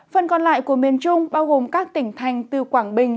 phần còn lại của miền trung bao gồm các tỉnh thành từ quảng bình